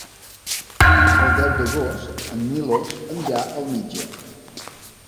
El deu d'agost en Milos anirà al metge.